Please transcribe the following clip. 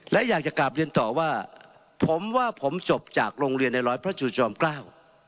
และอยากจะกลับเรียนต่อว่าผมว่าผมจบจากโรงเรียนในร้อยพระจูจอมเกล้า